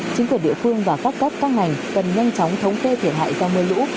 chính quyền địa phương và các cấp các ngành cần nhanh chóng thống kê thiệt hại do mưa lũ